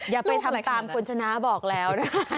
อย่าไปทำตามคุณชนะบอกแล้วนะคะ